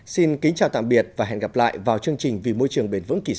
xin kính chào tạm biệt và hẹn gặp lại vào chương trình vì môi trường bền vững kỳ sau